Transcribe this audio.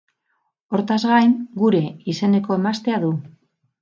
Hortaz gain, Gure izeneko emaztea du.